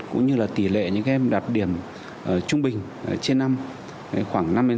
cũng như là tỷ lệ những game đạt điểm trung bình trên năm khoảng năm sáu